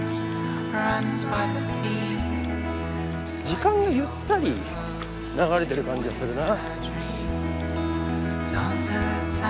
時間がゆったり流れている感じがするな。